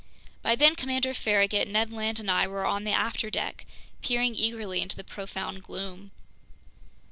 By then Commander Farragut, Ned Land, and I were on the afterdeck, peering eagerly into the profound gloom.